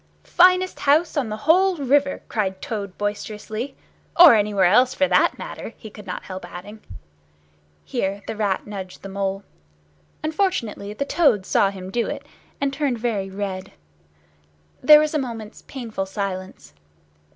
"Finest house on the whole river," cried Toad boisterously. "Or anywhere else, for that matter," he could not help adding. Here the Rat nudged the Mole. Unfortunately the Toad saw him do it, and turned very red. There was a moment's painful silence.